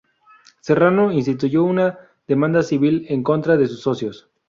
Serrano instituyó una demanda civil en contra de sus socios.